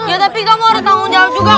ya tapi kamu harus tanggung jawab juga